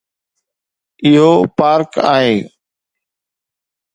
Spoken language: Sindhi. اهو پارڪ آهي